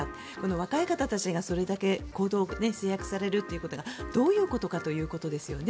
若い方たちが行動を制約されるということはどういうことかということですよね。